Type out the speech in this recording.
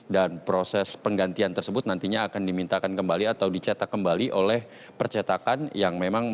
dan proses penggantian tersebut tidak bisa digunakan